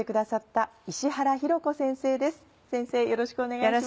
よろしくお願いします。